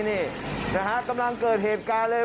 นี่นะฮะกำลังเกิดเหตุการณ์เลย